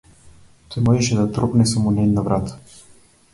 Тој можеше да тропне само на една врата.